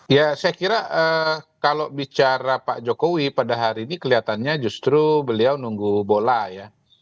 ya saya kira kalau bicara pak jokowi pada hari ini kelihatannya justru beliau nunggu bola ya